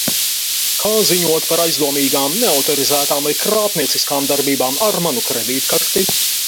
Kā ziņot par aizdomīgām, neautorizētām vai krāpnieciskām darbībām ar manu kredītkarti?